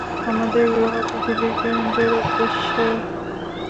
আমাদের গ্রহ পৃথিবীর কেন্দ্রের উদ্দেশ্যে।